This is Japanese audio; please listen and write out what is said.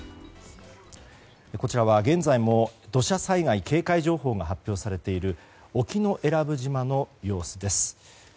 こちらは現在も土砂災害警戒情報が発表されている沖永良部島の様子です。